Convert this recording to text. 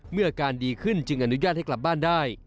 อาการดีขึ้นจึงอนุญาตให้กลับบ้านได้